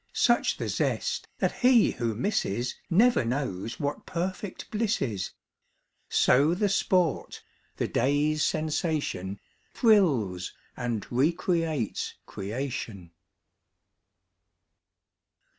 Such the zest that he who misses Never knows what perfect bliss is. So the sport, the day's sensation, Thrills and recreates creation.